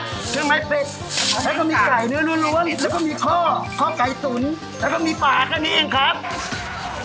เครื่องไม้เป็ดแล้วก็มีไก่เนื้อล้วนแล้วก็มีข้อข้อไก่ตุ๋นแล้วก็มีปากแค่นี้เองครับ